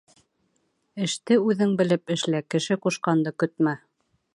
Эште үҙең белеп эшлә, кеше ҡушҡанды көтмә.